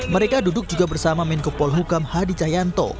mereka duduk juga bersama menko polhukam hadi cahyanto